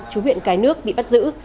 chú huyện cái nước bị bắt giữ